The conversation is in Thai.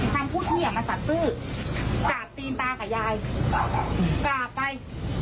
คำพูดเฮียมาตัดสู้กราบตีนตากับยายกราบไป